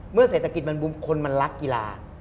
เมื่อเศรษฐกิจมันบุมคลมันรักกีฬา